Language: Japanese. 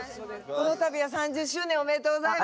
このたびは３０周年おめでとうございます。